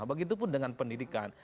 begitupun dengan pendidikan